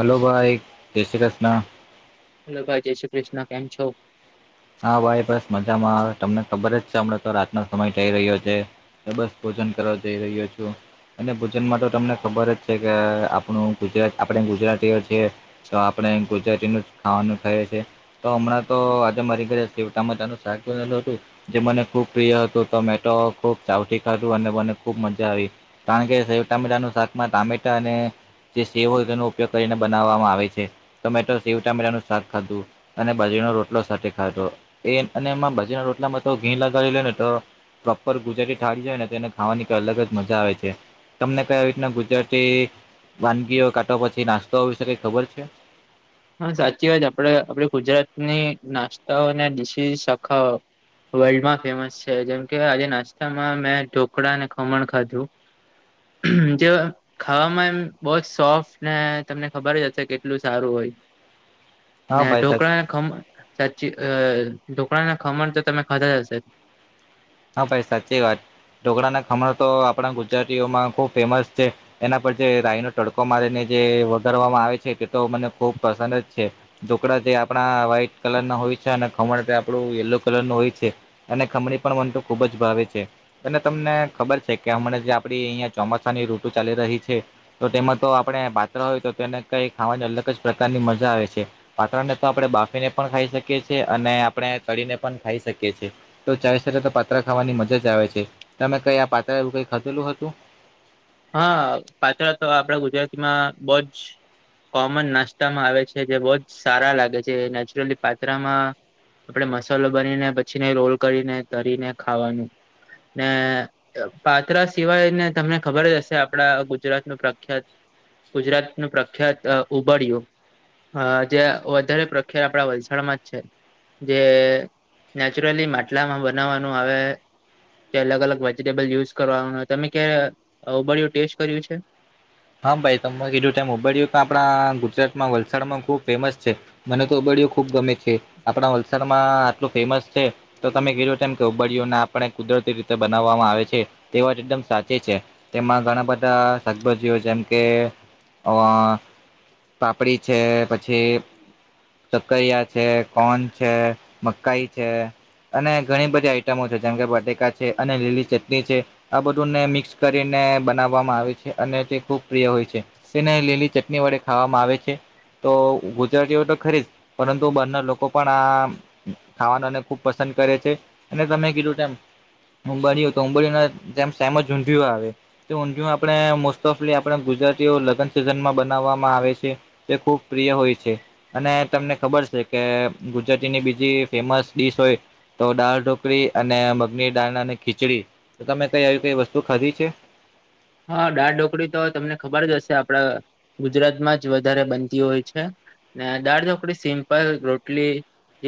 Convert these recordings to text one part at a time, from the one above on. Hello ભાઈ જય Shri Krishna hello ભાઈ જય શ્રી કૃષ્ણ કેમ છો હા ભાઈ બસ મજામાં આવે તમને ખબર જ છે હમણાં તો રાતનો સમય થઈ રહ્યો છે તો બસ ભોજન કરવા જઈ રહ્યો છું અને ભોજનમાં તો તમને ખબર જ છે કે આપણું ગુજરાત આપણે ગુજરાતીઓ છીએ તો આપણે ગુજરાતીનું ખાવાનું ખાઈએ છી તો હમણાં તો મારી ઘરે સેવ ટામેટાનું શાક બનાવેલુહતું જે મને ખુબ પ્રિય હતું મેટો ખુબ ચાવથી ખાધું અને મને ખુબ મજા આવી કારણ કે શેવ ટામેટા ન શાકમા ટામેટા અને જે સેવો હોય તેનો ઉપયોગ કરીને બનાવવામાં આવે છે શેવ ટામેટો નુ શાક ખાધું અને બાજરીનો રોટલો સાથે હા તો એ અને એમાં બાજરીના રોટલામાં તો ઘી લગાડી લે ને તો પ્રોપર ગુજરાતી થાળી જાય ને તેને ખવાનીઈતો અલગ જ મજા આવે છે તમને કઈ આરીતના ગુજરાતી વાનગીઓ કાતો પછી નાસ્તો વિશે ખબર છે હા સાચી વાત છેઆપણે આપડી ગુજરાતની નાસ્તાઓ અને ડીશીશ આખા વર્લ્ડમાં ફેમસ છે જેમ કે આજે નાસ્તામાં મેં ઢોકળા અને ખમણ ખાધું જે ખાવામાં એમ બહુ જ સોફ્ટ ને તમને ખબર જ હશે કેટલું સારું હોય હા ને ભાઈ સાહેબ ઢોકળાને ખમણ સાચી અ ઢોકળાને ખમણ તો તમે ખાધા જ હશે. હા ભાઈ સાચી વાત ઢોકળાના ખમણ તો આપણા ગુજરાતીઓમાં ખૂબ ફેમસ છે. એના પર જે રાહી નો તડકો મારીને જે વઘારવામાં આવે છે તે તો મને ખુબ પસંદ જ છે. ઢોકળાં તો આપણા વ્હાઈટ કલર ના હોય છે અને ખમણ તે આપણું યલો કલર નું હોય છે અને ખમણી પણ મન તો ખુબ જ ભાવે છે. અને તમને ખબર છે કે હમણાં જે આપડી અહિયાં ચોમાસાની ઋતુ ચાલી રહી છે. તો તેમાં તો આપણે પાત્રા હોય તો તેને કઈ ખાવાની અલગ જ પ્રકારની મજા આવે છે. પાત્રા ને તો આપણે બાફીને પણ ખાઈ શકીએ છીએ અને આપણે તળીને પણ ખાઈ શકીએ છીએ. તો [unintelligible] તો પાત્રા ખાવાની મજા જ આવે છે તમે કઈ આ પાત્રા એવું કઈ ખાધેલું હતું હા પાત્રા તો આપડા ગુજરાતીમાં બહુજ કોમન નાસ્તામાં આવે છે જે બહુ જ સારા લાગે છે નેચરલી પાત્રામાં આપણેે મસાલો બનીને પછી રોલ કરીને તરીને ખાવાનું ને પાત્રા સિવાય ને તમે ખબર જ હશે આપણા ગુજરાતનું પ્રખ્યાત ગુજરાતનું પ્રખ્યાત ઉબડય્યું હ જે વધારે પ્રખ્યાત [unintelligible] છે જે નેચરલી માટલામાં બનાવવાનું આવે તે અલગ અલગ વેજીિટેબલ યુઝ કરવાનો તમે કે ઉંબાડિયું ટેસ્ટ કર્યું છે. હા ભાઈ તમે કીધું તમે ઉભડિયું કે આપણા ગુજરાતમાં વલસાડમાં ખુબ ફેમસ છે. મને તો ઉબડયો ખુબ ગમે છે આપણા વલસાડમાં આટલું ફેમસ છે તો તમે કીધો તેમ કે ઉબળીઓને આપણે કુદરતી રીતે બનાવવામાં આવે છે તે વાત એકદમ સાચી છે. તેમાં ઘણા બધા શાકભાજી જે જેમ કે પાપડી છે પછી સકરયા છે કોન છે મકાઈ છે. અને ઘણી બધી આઈટમો છે જેમ કે બટેકા છે અને લીલી ચટણી છે. આ બધુંને મિક્સ કરીને બનાવવામાં આવે છે અને તે ખુબ પ્રિય હોય છે તેને લીલી ચટ ની વડે ખાવામાં આવે છે તો ગુજરાતીઓ તો ખરી જ પરંતુ બારના લોકો પણ આ ખાવાનુંને ખુબ પસંદ કરે છે. અને તમે કીધું તેમ ઉંબડીઓ તો ઉુંબડી જેમ સામ જ ઊંધિયુ આવે તો ઊંધિયુ આપણે મોસ્ટલી આપણા ગુજરાતીઓ લગ્ન સીઝનમાં બનાવવામાં આવે છે તે ખુબ પ્રિય હોય છે. અને તમને ખબર છે કે ગુજરાતીની બીજી ફેમસ ડીશ હોય. તો દાળ ઢોકળી અને મગની દાળ અને ખીચડી તમે કઈ આવી કઈ વસ્તુ ખાધી છે. હા દાળઢોકળી તો તમને ખબર જ હશે આપડા ગુજરાતમાં જ વધારે બનતી હોય છે. મેં દાળઢોકળી સિમ્પલ રોટલી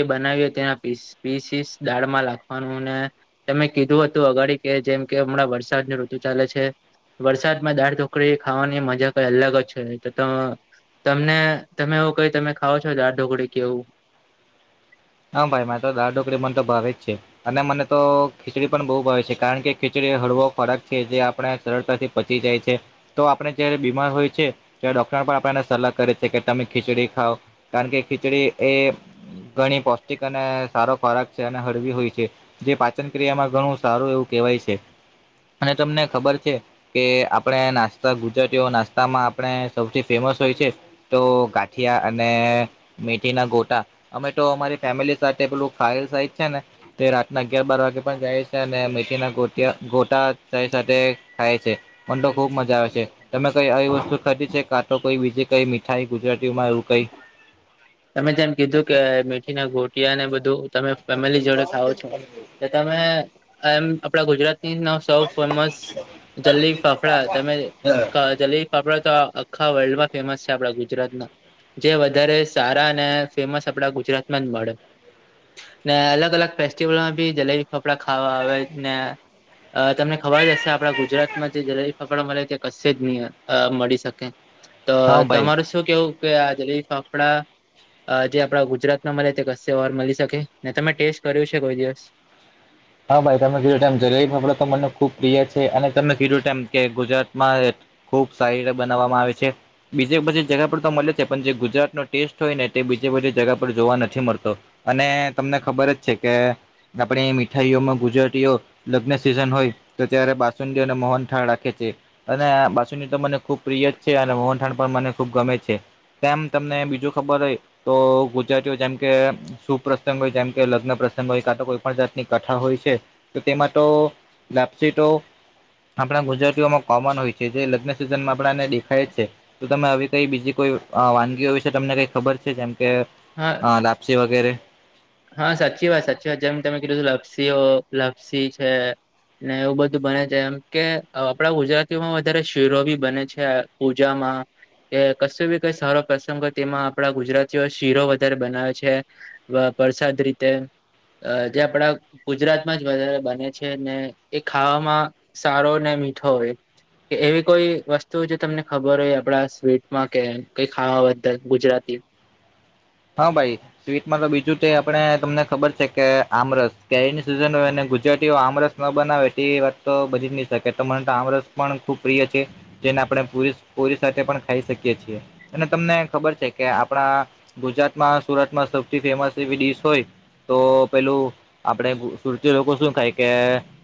એ બનાવીયો તેના પીસ પીસીસ દાળમાં નાખવાનું ને અને તમે કીધું હતું અગાડી કે જેમ કે હમણાં વરસાદની ઋતુ ચાલે છે. વરસાદમાં દાળ ઢોકળી ખાવાની મજા કઈ અલગ જ છે તો ત તમને તમે એવું કઈ તમે ખાવ છો દાળ ઢોકળી કે એવું હા ભાઈ મારે તો દાળ ઢોકળી મન તો ભાવે જ છે. અને મને તો ખીચડી પણ બહુ ભાવે છે કારણ કે ખીચડી હળવો ખોરાક છે જે આપણે સરળતાથી પચી જાય છે. તો આપણે જયારે બીમાર હોય છે ત્યારે ડોક્ટર પણ આપને સલાહ કરે છે કે તમે ખીચડી ખાવ કારણ કે ખીચડી એ ઘણી પૌષ્ટિક અને સારો ખોરાક છે અને હળવી હોય છે. જે પાચન ક્રિયામાં ઘણું સારું એવું કહેવાય છે અને તમને ખબર છે. કે આપણે નાસ્તા ગુજરાતીઓ નાસ્તામાં આપણે સૌથી ફેમસ હોય છે. તો ગાઠિયા અને મેથી ના ગોટા અમે તો અમારી ફેમિલી સાથે પેલું ખાયલ સાઈ છે ને તે રાતના અગિયાર બાર વાગ્યે પણ જાય છે અને મેથીના ગોટ્યા ગોટા ચાય સાથે ખાય છે. મન તો ખુબ મજા આવે છે. તમે કઈ આવી વસ્તુ ખાદી છે કાં તો કોઈ બીજી કઈ મીઠાઈ ગુજરાતીઓમાં એવું કઈ તમે જેમ કીધું કે મેથી ના ગોટ [unintelligible] ને બધું તમે ફેમિલી જોડે ખાઓ છો તમે એમ આપડા ગુજરાત ન [unintelligible] સૌ ફેમસ જલેબી ફાફડા તમે જલે આપડા તો આખા વર્લ્ડમાં ફેમસ છે આપડા ગુજરાતના જે વધારે સારા અને ફેમસ આપડા ગુજરાત માં જ મળે. ને અલગ-અલગ ફેસ્ટિવલમાં ભી જલેબી ફપડા ખાવા આવે જ ને અ તમને ખબર જ હશે આપણા ગુજરાતમાં જે જલેબી ફકડા મળે તે કશે જ ની અ મળી શકે. તો હા ભાઈ તમારું શું કેવું કે આજલેબી ફફડા અ જે આપડા ગુજરાતમાં મળે તે કસે ઓ ર મલી શકે ને તમે ટેસ્ટ કર્યું છે કોઈ દિવસ હા, ભાઈ તમે કીધુ તેમ જલેબી ફપડા તો મને ખુબ પ્રિય છે અને તમે કીધુ તેમ કે ગુજરાતમાં ખુબ સારી રીતે બનાવવામાં આવે છે. બીજે બઘી જગા પર તો મળે છે પણ જે ગુજરાતનો ટેસ્ટ હોય ને તે બીજે બઘી જગા પર જોવા નથી મળતો. અને તમને ખબર જ છે કે આપણી મી થાળી માં ગુજરાતીઓ લગ્ન સિઝન હોય તો ત્યારે બાસુંદી અને મોહન થાળ રાખે છે. અને બાસુની તો મને ખુબ પ્રિય જ છે અને મોહનથાડ પણ મને ખુબ ગમે છે. તેમ તમને બીજું ખબર હોય તો ગુજરાતીઓ જેમ કે સુપ્રસંગ હોય જેમ કે લગ્ન પ્રસંગ હોય કા તો કોઈ પણ જાતની કાથા હોય છે તો તેમાં તો લપસીટો આપણા ગુજરાતીઓમાં કોમન હોય છે જે લગ્ન સિઝનમાં આપણાને દેખાય છે. તો તમે આવી કઈ બીજી કોઈ અ વાનગીઓ વિશે તમને કઈ ખબર છે જેમ કે હા! હ, લાપસી વગેરે. હા, સાચી વાત સાચી વાત જેમ તમે કીધું લાપ્સીઓ લાપ્સી છે. ને એવું બધું બને છે. એમ કે આપણા ગુજરાતીઓમાં વધારે શિરો ભી બને છે પૂજામાં એ કશું બી કઈ સારો પ્રસંગ હોય તેમાં આપણા ગુજરાતીઓ શીરો વધારે બનાવે છે. વ પરસાદ રીતે અ જે આપડા ગુજરાતમાં જ વધારે બને છે ને એ ખાવામાં સારો ને મીઠો હોય. કે એવી કોઈ વસ્તુ જે તમને ખબર હોય આપડા સ્વીટમાં કે કઈ ખાવા બા [unintelligible] ગુજરાતી હા, ભાઈ સ્વીટમાં તો બીજું તે આપણે તમને ખબર છે કે આમરસ કેરીની સિઝન હોય અને ગુજરાતીઓ આમરસ ન બનાવે તે વાત તો બધી જ નહી શકે તમાન તો આમ રસ પણ ખુબ પ્રિય છે. જેને આપણે પુરી -પુરી સાથે પણ ખાઈ શકીએ છીએ અને તમને ખબર છે કે આપણા ગુજરાતમાં સુરતમાં સૌથી ફેમસ એવી ડીશ હોય તો પેલું આપડે ગુ સુરતી લોકો શું ખાય કે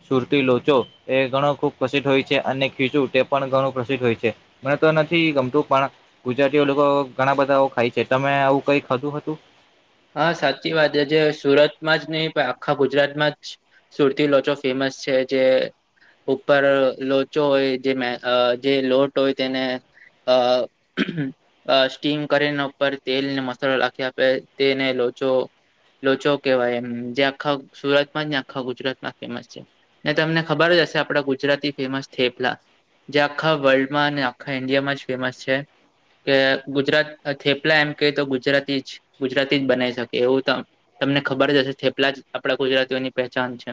સુરતી લોચો એ ઘણો ખૂબ પ્રસિદ્ધ હોય છે, અને ખીચું તે પણ ઘણું પ્રસિદ્ધ હોય છે. મને તો નથી ગમતું પણ ગુજરાતીઓ લોકો ઘણા બધાઓ ખાય છે તમે આવું કઈ ખાંધુ હતું. હા, સાચી વાતજ સુરતમાં જ નહી પણ આખા ગુજરાતમાં જ સુરતી લોચો ફેમસ છે જે ઉપર લોચો હોય જે મેં અ જે લોટ હોય તેને અ અ સ્ટીમ કરીને ઉપર તેલને મસાલો લાખી આપે. તે ને લોચો લોચો કેહેવાય એમ જે આખા સુરતમાં ને આખા ગુજરાત માં ફેમસ છે. ને તમને ખબર જ હશે આપડા ગુજરાતી ફેમસ થેપલા. જે આખા વર્લ્ડમાં અને આખા ઈન્ડિયામાં જ ફેમસ છે. કે ગુજરાત થેપલા એમ કે તો ગુજરાતી જ ગુજરાતી જ બનાવી શકે એવું તો તમને ખબર જ હશે થેપલા જ આપણા ગુજરાતીઓની પહેચાન છે.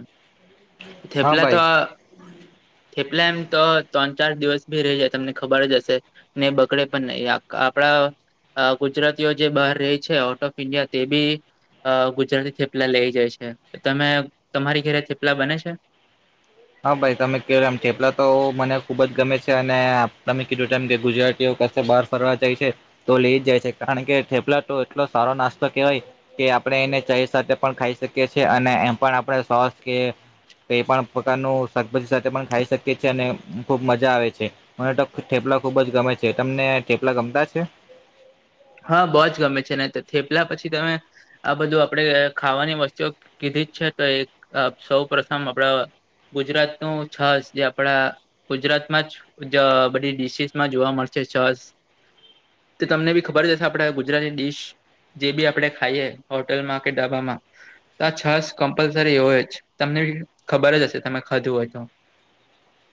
હા થેપલા ભાઈ તો. થેપલા એમ તો ત્રણ ચાર દિવસ ભી રહી જાય તમને ખબર જ હશે. ને બકડે પણ નહી આપડા ગુજરાતીઓ જે બહાર રહી છે. ઓફ ઇન્ડિયા તે બી. અ ગુજરાતી થેપલા લઈ જાય છે તમે તમારી ઘેરે થેપલા બને છે. હા ભાઈ તમે કધોમ ઠેપલા તો મને ખુબ જ ગમે છે અને તમે કીધુંમ કે ગુજરાતીઓ ક બાર. ફરવા જાય છે તો લઈ જ જાય છે કારણ કે થેપલા તો એટલો સારો નાસ્તો કેવાય. કે આપણે એને ચ સાથે પણ ખાઈ શકીએ છી અને એમ પણ આપણે સોસ કે કઈ પણ. પ્રકારનું શાકભાજી સાથે પણ ખાઈ શકીએ છેીએ અને ખુબ મજા આવે છે. મને તો થઠેપલા ખુબ જ ગમે છે તમને ઠેપલા ગમતા છે. હા બહુ જ ગમે છે ને થેપલા પછી તમે. આ બધું આપણેે ખાવાની વસ્તુઓ કીધી જ છે તો એક સૌ પ્રથમ આપડા. ગુજરાત નું છ જે આપડા. ગુજરાતમાં જ બધી ડિશસમાં જોવા મળશે તમને બી. ખબર જશે આપડ ગુજરાતી ડીશ જે બી આપડે ખાઈએ હોટલમાં કે ડાબામાં. તો આ છસ કમ્પલસરી એવ જ તમને ખબર જ હશે તમે ખધું હોય તો?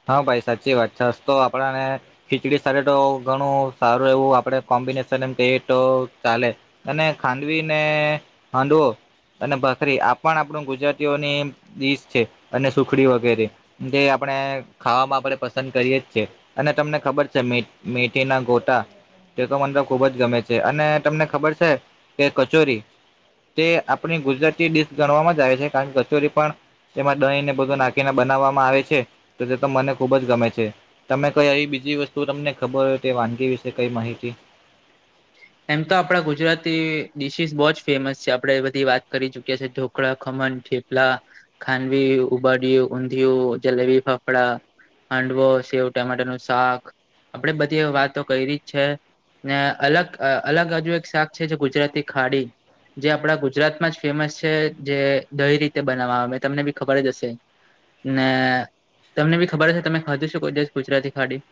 હા ભાઈ સાચી વાત છેસ તો આપણાને. ખીચડી સાથે તો ઘણું સારું એવું આપણે કોમ્બિનેશન એમ તે તો ચાલે. અને ખાંડવી ને હાંડવો. અને ભખરી આપ પણ આપણું ગુજરાતીઓની દડીશ છે અને સુખડી વગેરે. જે આપણે. ખાવામાં આપણે પસંદ કરીએ જ છીએ અને તમને ખબર છે મેથીના ગોટા. તે તો મને તો ખુબ જ ગમે છે અને તમને ખબર છે કે કચોરી. તે આપણી ગુજરાતી ડડીશ ગણવામાં આવે છે કારણ કચોરી પણ. તેમાં દહીને બધું નાખીને બનાવવામાં આવે છે તો તે તો મને ખુબ જ ગમે છે. તમે કઈ આવી બીજી વસ્તુ તમને ખબર હોય તે વાનગી વિશે કઈ માહિતી. એમ તો આપણા ગુજરાતી ડીશિસ બહુ જ ફેમસ છે આપડે બધી વાત કરી ચુકીયા છે. કડા ખમણ ખેપલા ખાંડવી ઉબાડીય ઊંધિયું જલેબી ફાફડા. હાંડવો સેવ ટમેટર નું શાક. આપડે બધી વાતો કરી ર જ છે ને અલગ. અ અલગ હજુ એક શાક છે જે ગુજરાતી ખાડી. જે આપડા ગુજરાતમાં જ ફેમસ છે જે દહી રીતે બનાવા આવે મેં તમને બી ખબર જ હશે. ને તમને બી ખબર હશે તમે ખાધું શ કોઈ દિવસ ગુજરાતી ખાડી.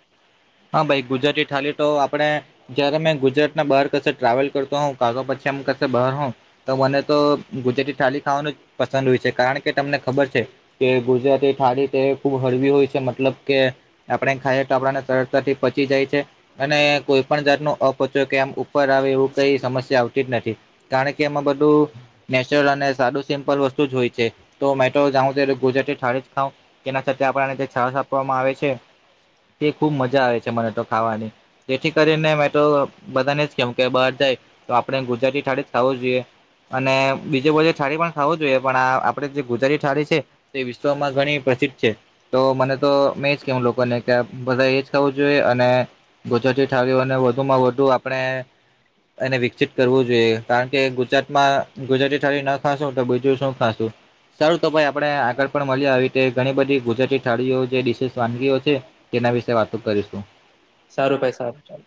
હા ભાઈ ગુજરાતી થઠાલી તો આપણે. જયારે મેં ગુજરાત ના બહાર કશે ટ્રાવેલ કરતો હો કા પછી આમ કશે બહાર હોઉ. તો મને તો ગુજરાતી થાલી ખાવાનું જ પસંદ હોય છે કારણ કે તમને ખબર છે. કે ગુજરાતી થાળી તે ખુબ હળવી હોય છે મતલબ કે આપણે ખાઈ તો આપણાને તર. થી પચી જાય છે. અને કોઈ પણ જાત ન અપચો કે આમ ઉપર આવે એવું કઈ સમસ્યા આવતી જ નથી. કારણ કે એમાં બધું. નેચરલ અને સારું સિમ્પલ વસ્તુ જ હોય છે તો મે તો જાઉ ગુજરાતી થાળી જ ખઉ. એના સાથે આપણાને જે છશ આપવામાં આવે છે તે ખુબ મજા આવે છે મને તો ખાવાની. જેથી કરીને મેં તો બધાને જ કેવ કે બહાર જાય તો આપણે ગુજરાતી થાળી જ ખાવું જોઈએ. અને બીજજી બજુ થાળી પણ ખાવું જોઈએ પણ આપડે જે ગુજારી થાળી છે. તે વિશ્વમાં ઘણી પ્રસિદ્ધ છે તો મને તો મેંજ કેવું લોકોને કે બધા એ. થવું જોઈએ અને ગુજરાતી ઠળીઓને વધુમાં વધુ આપણે. એને વિકસિત કરવું જોઈએ કારણ કે ગુજરાતમાં ગુજરાતી થાળી ના ખાશું તો બીજું શું ખાંશું. સર તો ભાઈ આપણે આગળ પણ મળ્યા આવી રતે ઘણી બધી ગુજરાતી થાળીઓ જે ડડીશસ વાનગીઓ છે. તેના વિશે વાતો કરીશું. સારું ભાઈ સારું ચાલ.